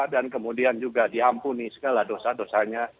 dan kemudian juga diampuni segala dosa dosanya